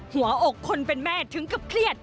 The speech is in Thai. หัวอกคนเป็นแม่ถึงกับเครียด